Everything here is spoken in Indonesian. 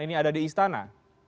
ini ada di istana